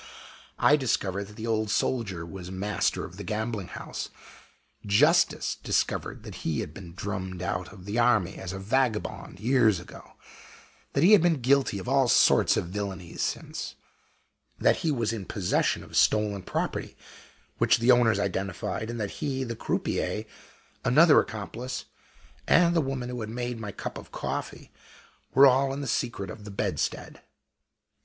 I discovered that the Old Soldier was the master of the gambling house justice discovered that he had been drummed out of the army as a vagabond years ago; that he had been guilty of all sorts of villainies since; that he was in possession of stolen property, which the owners identified; and that he, the croupier, another accomplice, and the woman who had made my cup of coffee, were all in the secret of the bedstead.